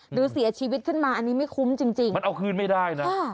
หรือเสียชีวิตขึ้นมาอันนี้ไม่คุ้มจริงมันเอาคืนไม่ได้นะ